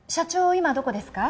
今どこですか？